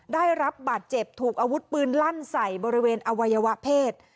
ได้รับบาดเจ็บถูกอาวุธปืนลั่นใส่บริเวณอวัยวะเพศ